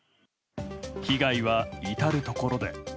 被害は至るところで。